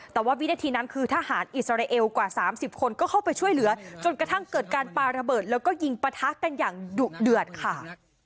แต่ว่าวินาทีนั้นคือทหารอิสราเอลกว่า๓๐คนก็เข้าไปช่วยเหลือจนกระทั่งเกิดการปาระเบิดแล้วก็ยิงปะทะกันอย่างดุเดือดค่ะ